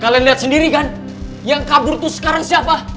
kalian lihat sendiri kan yang kabur itu sekarang siapa